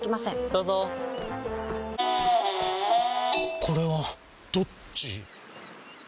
どうぞこれはどっち？